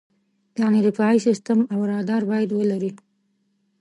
یعنې دفاعي سیستم او رادار باید ولرې.